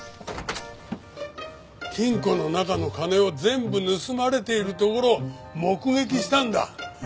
金庫の中の金を全部盗まれているところを目撃したんだ。